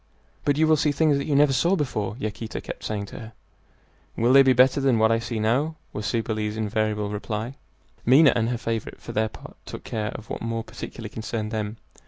"But you will see things that you never saw before," Yaquita kept saying to her. "Will they be better than what I see now?" was Cybele's invariable reply. Minha and her favorite for their part took care of what more particularly concerned them.